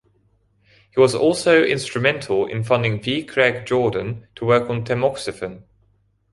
He was also instrumental in funding V. Craig Jordan to work on tamoxifen.